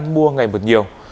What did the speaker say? người dân mua ngày một nhiều